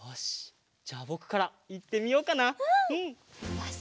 よし。